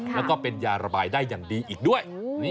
แล้วก็เป็นยาระบายได้อย่างดีอีกด้วย